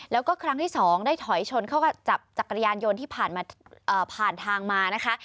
แล้วก็ครั้งที่๒ได้ถอยชนเข้ากับจักรยานยนต์ที่ผ่านทางมานะคะ